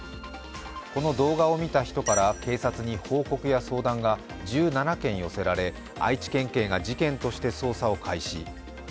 この動画を見た人から警察に報告や相談が１７件寄せられ、愛知県警が事件として捜査を開始。